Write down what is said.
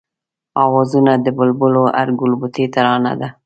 آوازونه د بلبلو هر گلبوټی ترانه ده